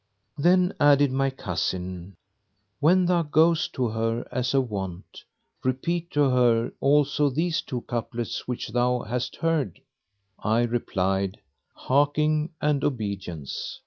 Then added my cousin, "When thou goest to her as of wont, repeat to her also these two couplets which thou hast heard." I replied, "Hearkening and obedience!"